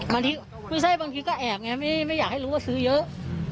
ไม่ใช่บางทีก็แอบไงไม่อยากให้รู้ว่าซื้อเยอะ